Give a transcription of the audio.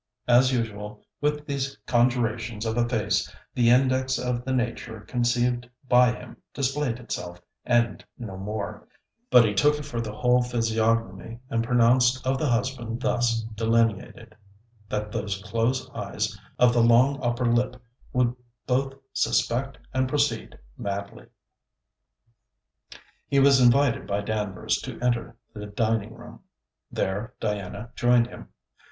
As usual with these conjurations of a face, the index of the nature conceived by him displayed itself, and no more; but he took it for the whole physiognomy, and pronounced of the husband thus delineated, that those close eyes of the long upper lip would both suspect and proceed madly. He was invited by Danvers to enter the dining room. There Diana joined him.